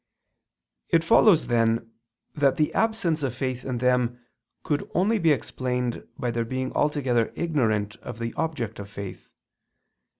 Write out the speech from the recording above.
It follows then, that the absence of faith in them could only be explained by their being altogether ignorant of the object of faith.